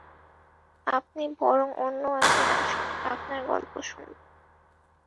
আপনি বরং অন্য একদিন আসুন, আপনার গল্প শুনব।